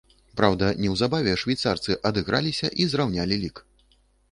Праўда, неўзабаве швейцарцы адыграліся і зраўнялі лік.